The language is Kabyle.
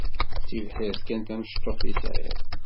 D tibḥirt kan tamecṭuht i sɛiɣ.